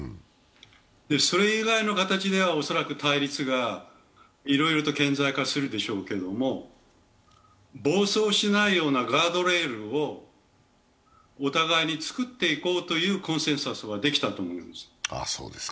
それ以外の形では恐らく対立がいろいろと顕在化するでしょうけれども、暴走しないようなガードレールをお互いにつくっていこうというコンセンサスはできたと思います。